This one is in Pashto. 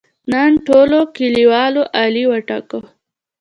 نن ټولو کلیوالو علي وټاکه.